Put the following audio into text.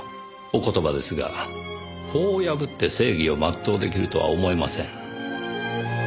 お言葉ですが法を破って正義を全う出来るとは思えません。